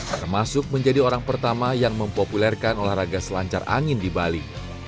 termasuk menjadi orang pertama yang mempopulerkan olahraga selancar angin di bali